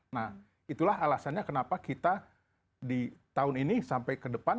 nah itulah alasannya kenapa kita di tahun ini sampai ke depan